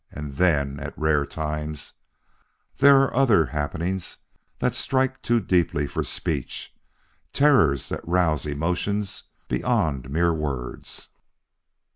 And then, at rare times, there are other happenings that strike too deeply for speech terrors that rouse emotions beyond mere words.